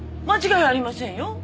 間違いありませんよ。